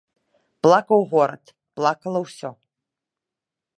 Плакаў горад, плакала ўсё.